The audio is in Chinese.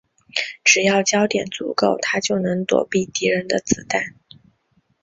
只要焦点足够她就能躲避敌人的子弹。